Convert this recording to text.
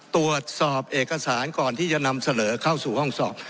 ตรวจสอบเอกสารก่อนที่จะนำเสนอเข้าสู่ห้องสอบ